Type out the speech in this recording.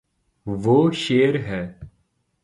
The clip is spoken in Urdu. وہ شیر ہے